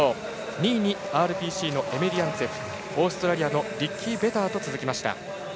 ２位、ＲＰＣのエメリアンツェフオーストラリアのリッキー・ベターと続きました。